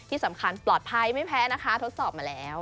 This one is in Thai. ที่สำคัญปลอดภัยไม่แพ้นะคะทดสอบมาแล้ว